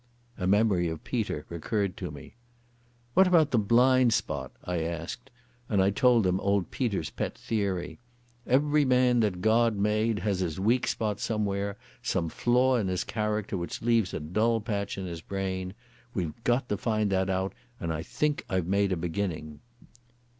A memory of Peter recurred to me. "What about the 'blind spot'?" I asked, and I told them old Peter's pet theory. "Every man that God made has his weak spot somewhere, some flaw in his character which leaves a dull patch in his brain. We've got to find that out, and I think I've made a beginning."